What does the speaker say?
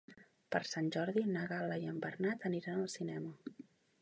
Per Sant Jordi na Gal·la i en Bernat aniran al cinema.